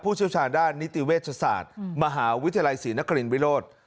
เชี่ยวชาญด้านนิติเวชศาสตร์มหาวิทยาลัยศรีนครินวิโรธ